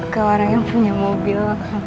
ke orang yang punya mobil